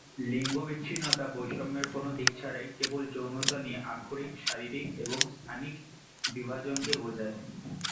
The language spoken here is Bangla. লিঙ্গ বিচ্ছিন্নতা বৈষম্যের কোন দিক ছাড়াই কেবল যৌনতা দিয়ে আক্ষরিক শারীরিক এবং স্থানিক বিভাজনকে বোঝায়।